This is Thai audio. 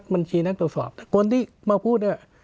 บัญชีนั้นตรวจสอบคนที่มาพูดเนี่ย